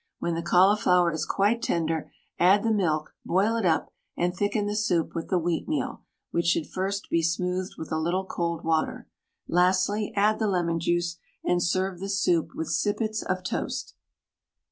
When the cauliflower is quite tender add the milk, boil it up, and thicken the soup with the wheatmeal, which should first be smoothed with a little cold water. Lastly, add the lemon juice, and serve the soup with sippets of toast.